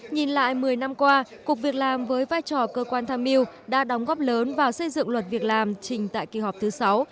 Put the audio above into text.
nhìn lại một mươi năm qua cục việc làm với vai trò cơ quan tham mưu đã đóng góp lớn vào xây dựng luật việc làm trình tại kỳ họp thứ sáu